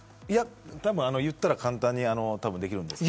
たぶん言ったら簡単にできるんですけど。